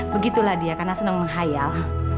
begitulah dia karena senang menghayal